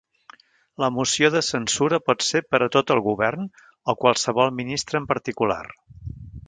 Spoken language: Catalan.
La moció de censura pot ser per a tot el govern o qualsevol ministre en particular.